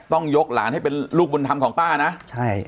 ต้องยกหลานให้เป็นลูกบุญธรรมของป้านะใช่